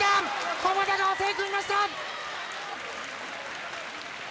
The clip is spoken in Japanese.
浜田が抑え込みました！